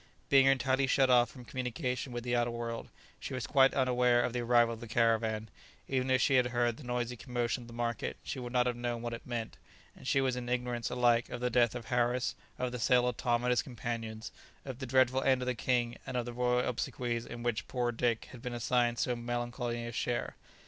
Being entirely shut off from communication with the outer world, she was quite unaware of the arrival of the caravan; even if she had heard the noisy commotion of the market she would not have known what it meant, and she was in ignorance alike of the death of Harris, of the sale of Tom and his companions, of the dreadful end of the king, and of the royal obsequies in which poor Dick had been assigned so melancholy a share.